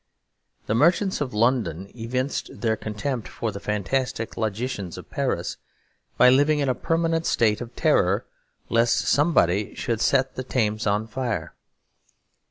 The merchants of London evinced their contempt for the fantastic logicians of Paris by living in a permanent state of terror lest somebody should set the Thames on fire.